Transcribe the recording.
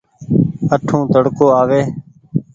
اٺون تڙڪو آوي ۔